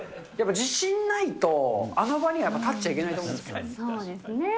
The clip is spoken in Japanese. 自信ないと、あの場には立っちゃいけないと思うんですそうですね。